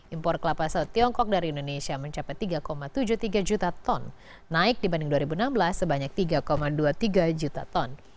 impor kelapa saut tiongkok dari indonesia mencapai tiga tujuh puluh tiga juta ton naik dibanding dua ribu enam belas sebanyak tiga dua puluh tiga juta ton